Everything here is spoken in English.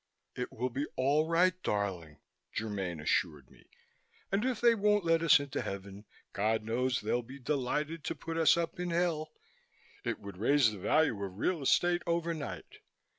"It will be all right, darling," Germaine assured me. "And if they won't let us into Heaven, God knows they'd be delighted to put us up in Hell. It would raise the value of real estate overnight.